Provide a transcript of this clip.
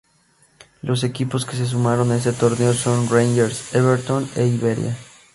Los equipos que se sumaron a este torneo son Rangers, Everton e Iberia.